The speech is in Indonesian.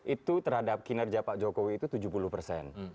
itu terhadap kinerja pak jokowi itu tujuh puluh persen